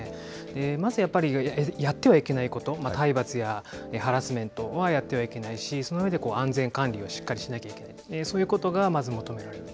まずやっぱりやってはいけないこと、体罰やハラスメントはやってはいけないし、その上で安全管理をしっかりしなきゃいけない、そういうことがまず求められると。